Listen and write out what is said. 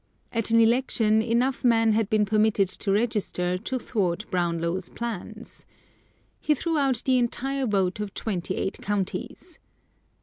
At an election enough men had been permitted to register to thwart Brownlow's plans. He threw out the entire vote of twenty eight counties.